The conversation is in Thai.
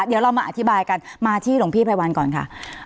เดี๋ยวเรามาอธิบายกันมาที่หลวงพี่ไพรวัลก่อนค่ะ